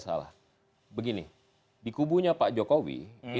nah ini itu kan artinya gini